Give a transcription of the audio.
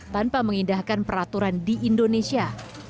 tanpa mengindahkan peraturan di indonesia